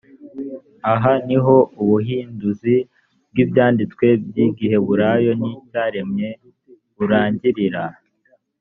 aha ni ho ubuhinduzi bw ibyanditswe by igiheburayo n icyarameyi burangirira